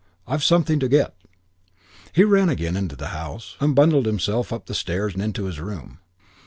I've something to get." He ran again into the house and bundled himself up the stairs and into his room.